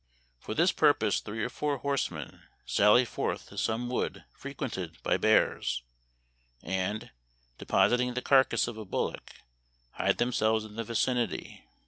For this purpose three or four horsemen sally forth to some wood frequented by bears, and, depositing the carcass of a bullock, hide themselves in the vicinity.